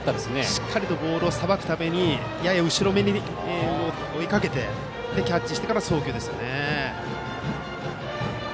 しっかりボールさばくためやや後ろめに追いかけてキャッチしてから送球でしたね。